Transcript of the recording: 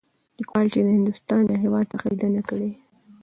ليکوال چې د هندوستان له هـيواد څخه ليدنه کړى.